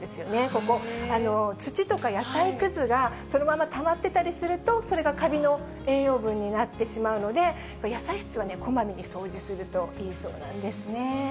ここ、土とか野菜くずが、そのままたまってたりすると、それがカビの栄養分になってしまうので、野菜室はね、こまめに掃除するといいそうなんですね。